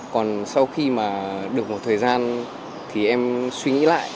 còn sau khi mà được một thời gian thì em suy nghĩ lại